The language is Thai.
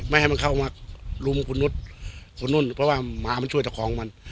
ไม่ให้มันเข้ามารุมคุณนุ่นคุณนุ่นเพราะว่าหมามันช่วยต่อของมัน